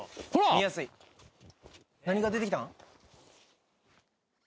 見やすい何が出てきたん？